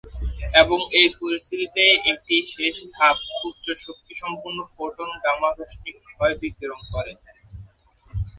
এবং এই পরিস্থিতিতে এটি শেষ ধাপ উচ্চ শক্তি সম্পন্ন ফোটন গামা রশ্মি ক্ষয় বিকিরণ করে।